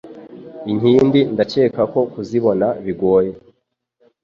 Inkindi ndakekako kuzibona bigoye